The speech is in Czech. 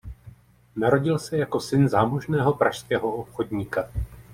Narodil se jako syn zámožného pražského obchodníka.